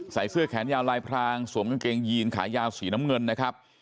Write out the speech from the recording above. เสื้อแขนยาวลายพรางสวมกางเกงยีนขายาวสีน้ำเงินนะครับ